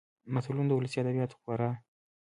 متلونه د ولسي ادبياتو خورا .